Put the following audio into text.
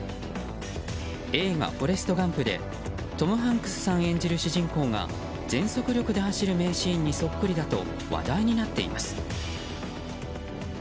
映画「フォレスト・ガンプ」でトム・ハンクスさん演じる主人公が全速力で走る名シーンにそっくりだと話題になっています。